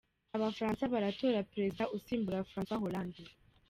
Abafaransa baratora Perezida usimbura Francois Hollande .